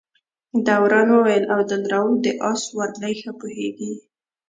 دوران وویل عبدالروف د آس سورلۍ ښه پوهېږي.